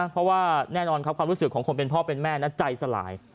เพราะว่าแน่นอนครับความรู้สึกของคนเป็นพ่อเป็นแม่ใจสลาย